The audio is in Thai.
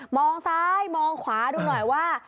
มองซ้ายมองขวาดูหน่อยว่า